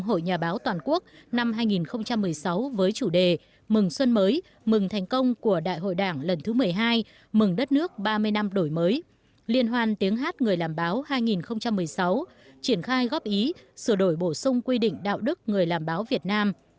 hội nhà báo việt nam khóa một mươi xác định phương hướng nhiệm vụ năm hai nghìn một mươi bảy